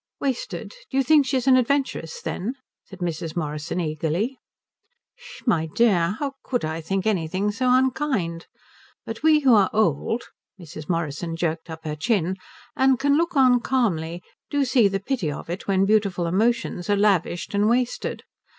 "Wasted? You do think she's an adventuress, then?" said Mrs. Morrison eagerly. "Sh sh. My dear, how could I think anything so unkind? But we who are old" Mrs. Morrison jerked up her chin "and can look on calmly, do see the pity of it when beautiful emotions are lavished and wasted.